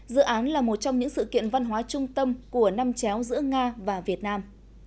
dự án là một trong những sự kiện văn hóa trung tâm của năm chéo giữa nga và việt nam